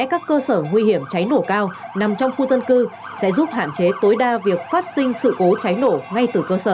các cơ sở nguy hiểm cháy nổ cao nằm trong khu dân cư sẽ giúp hạn chế tối đa việc phát sinh sự cố cháy nổ ngay từ cơ sở